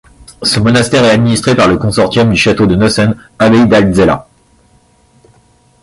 Ce monastère est administré par le consortium du Château de Nossen - Abbaye d’Altzella.